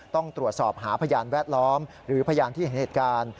ต้องตรวจสอบหาพยานแวดล้อมหรือพยานที่เห็นเหตุการณ์